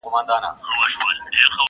یو درزن چي دي زامن دي زېږولي،